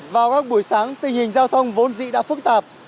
vào các buổi sáng tình hình giao thông vốn dĩ đã phức tạp